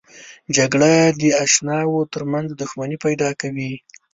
جګړه د اشناو ترمنځ دښمني پیدا کوي